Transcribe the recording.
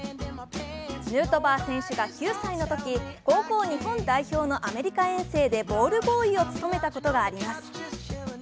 ヌートバー選手が９歳のとき、高校日本代表のアメリカ遠征でボールボーイを務めたことがあります。